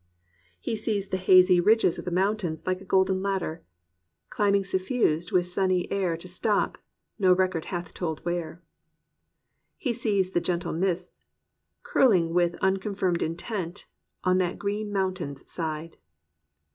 He sees the hazy ridges of the mountains like a golden ladder, "Climbing suffused with sunny air To stop — ^no record hath told where!" He sees the gentle mists "Curling with unconfirmed intent On that green mountain's side.'